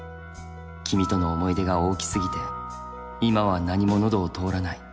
君との思い出が大きすぎて今は何も喉をとおらない。